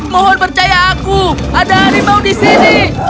mohon percaya aku ada harimau di sini